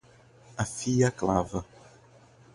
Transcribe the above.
Afie a clava